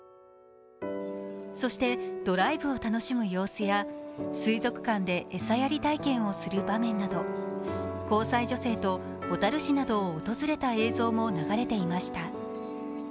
そしてドライブを楽しむ様子や水族館で餌やり体験をする場面など、交際女性と小樽市などを訪れた映像なども流れていました。